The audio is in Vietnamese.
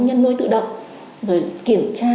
nhân nuôi tự động rồi kiểm tra